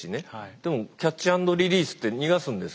でもキャッチアンドリリースって逃がすんですけど。